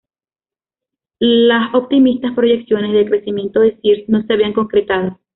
Las optimistas proyecciones de crecimiento de Sears no se habían concretado.